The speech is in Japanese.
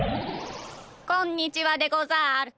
こんにちはでござる。